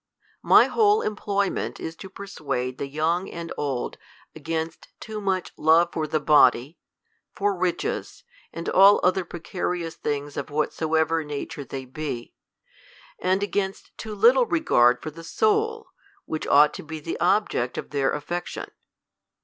My whole employment is to persuade tlie young and old against too much love for the body, for riches, and all other precarious things of whatsoever nature they be, and against too little regard for the soul, which ought to be the object of their affection.